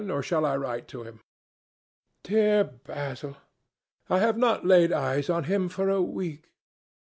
Or shall I write to him?" "Dear Basil! I have not laid eyes on him for a week.